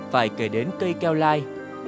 phải kể đến cây keo lai